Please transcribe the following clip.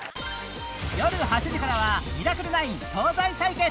よる８時からは『ミラクル９』東西対決！